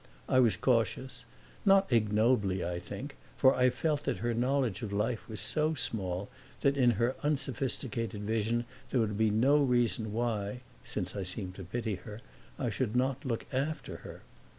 I was cautious; not ignobly, I think, for I felt that her knowledge of life was so small that in her unsophisticated vision there would be no reason why since I seemed to pity her I should not look after her.